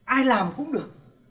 ai làm cũng được